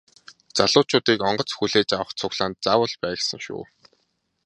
Залуучуудыг онгоц хүлээж авах цуглаанд заавал бай гэсэн шүү.